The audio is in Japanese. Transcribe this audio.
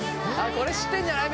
これ知ってんじゃない？